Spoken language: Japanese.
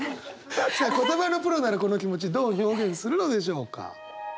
じゃあ言葉のプロならこの気持ちどう表現するのでしょうか。